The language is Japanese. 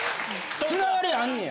つながりあんねや？